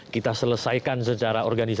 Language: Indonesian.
kita selesaikan secara organisasi